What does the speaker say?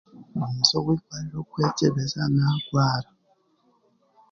Ninza omu igwariro kwekyebeza naagwara